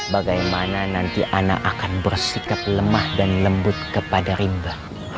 bagaimana nanti anak akan bersikap lemah dan lembut kepada rimba